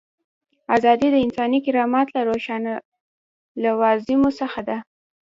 ازادي د انساني کرامت له روښانه لوازمو څخه ده.